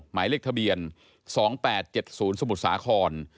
หมายเลขทะเบียน๒๘๗๐สมุทรสาคร